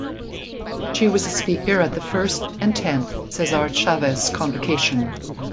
She was a speaker at the first and tenth Cesar Chavez Convocation.